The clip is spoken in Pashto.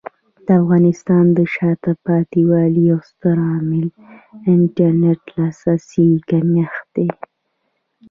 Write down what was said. د افغانستان د شاته پاتې والي یو ستر عامل د انټرنیټ لاسرسي کمښت دی.